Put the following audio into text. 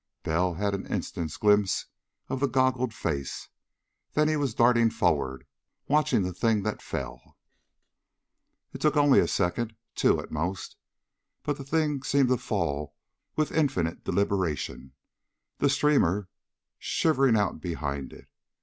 Bell had an instant's glimpse of the goggled face. Then he was darting forward, watching the thing that fell. It took only a second. Two at most. But the thing seemed to fall with infinite deliberation, the streamer shivering out behind it.